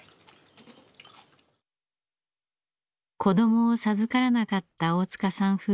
子どもを授からなかった大塚さん